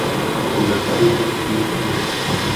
لگتے بھی ٹھیک ہیں۔